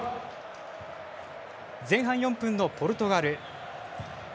前半４分のポルトガル。